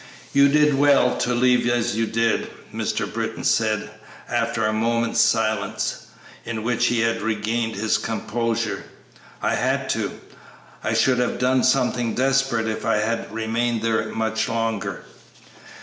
"You did well to leave as you did," Mr. Britton said, after a moment's silence, in which he had regained his composure. "I had to; I should have done something desperate if I had remained there much longer."